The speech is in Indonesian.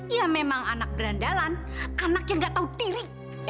ya memang anak berandalan anak yang gak tahu diri